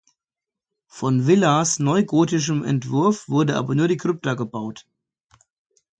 Von Villars neugotischem Entwurf wurde aber nur die Krypta gebaut.